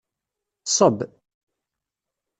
Ṣṣeb!